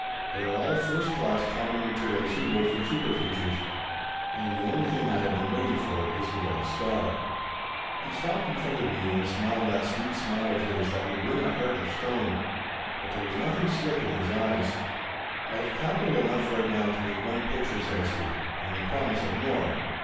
They are all first class comedy material suitable for super features. And the only thing I have been waiting for is the right star." He stopped in front of me and smiled that sweet 194 Laughter Limited smile of his that would win a heart of stone. But there was nothing slick in his eyes. "I have capital enough right now to make one pic ture," says he. "And the promise of more.